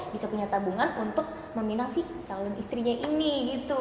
bisa punya tabungan untuk meminang si calon istrinya ini gitu